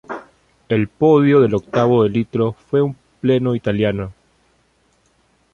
El podio del octavo de litro fue un pleno italiano.